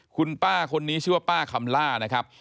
คุณป้าคนนี้ชื่อว่าป้าคำล่านะครับ